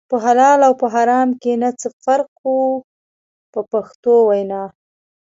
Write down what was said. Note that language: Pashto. په حلال او په حرام کې نه څه فرق و په پښتو وینا.